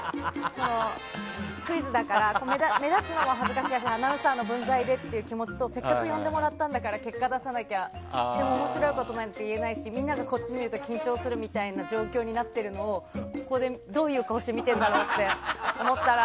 クイズだから目立つのも恥ずかしいしアナウンサーの分際でっていう気持ちとせっかく呼んでもらったんだから結果出さなきゃでも面白いことなんて言えないしみんながこっち見ると緊張するみたいな状況になってるのをここでどういう顔して見てるんだろうと思ったら。